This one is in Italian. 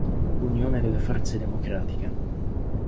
Unione delle Forze Democratiche